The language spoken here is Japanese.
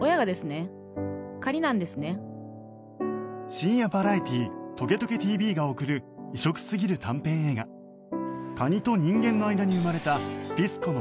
深夜バラエティー『トゲトゲ ＴＶ』が送る異色すぎる短編映画蟹と人間の間に生まれたピス子の恋の物語